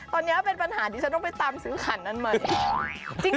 ตอนนี้เป็นปัญหาที่ฉันต้องไปตามซื้อขันนั้นมาสิ